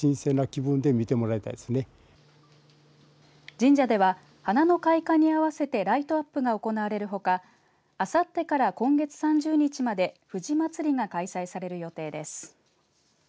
神社では花の開花に合わせてライトアップが行われるほかあさってから今月３０日まで藤まつりが開催される予定です。